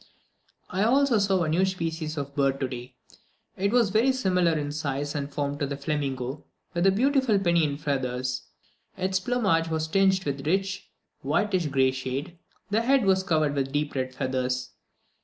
I also saw a new species of bird today. It was very similar in size and form to the flamingo, with beautiful pinion feathers; its plumage was tinged with a rich whitish grey shade, the head was covered with deep red feathers.